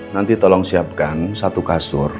nanti tolong siapkan satu kasur